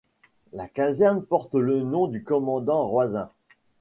La caserne porte le nom du commandant Roisin.